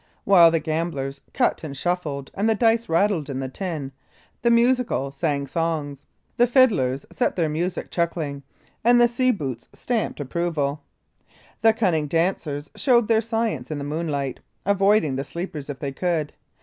While the gamblers cut and shuffled, and the dice rattled in the tin, the musical sang songs, the fiddlers set their music chuckling, and the seaboots stamped approval. The cunning dancers showed their science in the moonlight, avoiding the sleepers if they could.